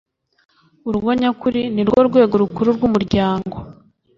urugo nyakuri ni rwo rwego rukuru rw umuryango